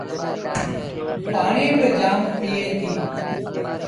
پآڻيٚ با جآم پيٚئي ديٚ۔